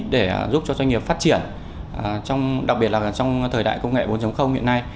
để giúp cho doanh nghiệp phát triển đặc biệt là trong thời đại công nghệ bốn hiện nay